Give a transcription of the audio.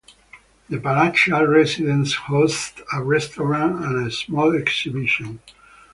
The palatial residence hosts a restaurant and a small exhibition.